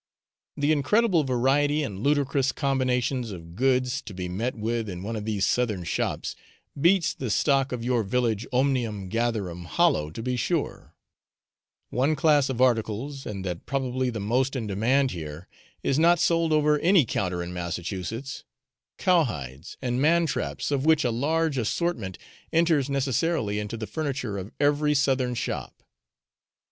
The incredible variety and ludicrous combinations of goods to be met with in one of these southern shops beats the stock of your village omnium gatherum hollow to be sure, one class of articles, and that probably the most in demand here, is not sold over any counter in Massachussetts cow hides, and man traps, of which a large assortment enters necessarily into the furniture of every southern shop.